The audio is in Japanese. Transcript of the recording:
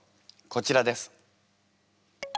こちらです。